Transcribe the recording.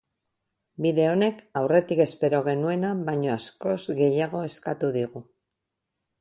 Bide honek aurretik espero genuena baino askoz gehiago eskatu digu.